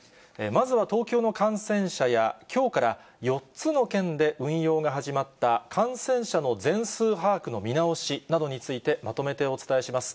まずは東京の感染者や、きょうから４つの県で運用が始まった感染者の全数把握の見直しなどについて、まとめてお伝えします。